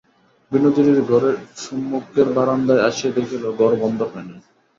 বিনোদিনীর ঘরের সম্মুখের বারান্দায় আসিয়া দেখিল, ঘর বন্ধ হয় নাই।